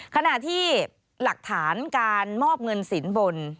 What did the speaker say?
ขณะที่หลักฐานการมอบเงินสินบน